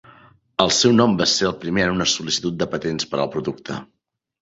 El seu nom va ser el primer en una sol·licitud de patents per al producte.